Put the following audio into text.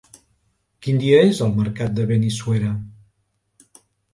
Quin dia és el mercat de Benissuera?